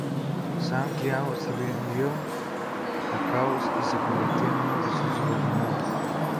Zhang Liao se rindió a Cao y se convirtió en uno de sus subordinados.